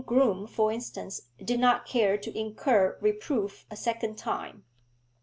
groom, for instance, did not care to incur reproof a second time.